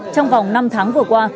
trong vòng năm tháng vừa qua